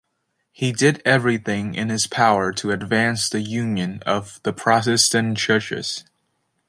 He did everything in his power to advance the union of the Protestant churches.